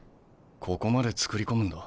ここまで作り込むんだ。